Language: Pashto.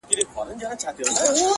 • په خوب کي وینم چي کندهار وي ,